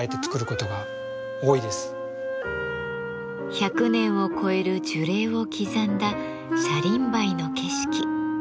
１００年を超える樹齢を刻んだシャリンバイの景色。